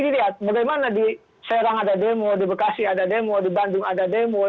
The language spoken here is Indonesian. dilihat bagaimana di serang ada demo di bekasi ada demo di bandung ada demo